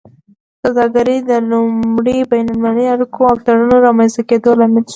سوداګري د لومړي بین المللي اړیکو او تړونونو رامینځته کیدو لامل شوه